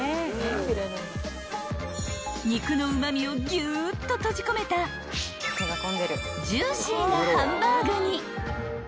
［ぎゅっと閉じ込めたジューシーなハンバーグに］